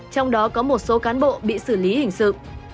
trong đó có một số cán bộ bị xử lý hình sự